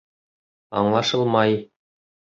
Аңлашылмай.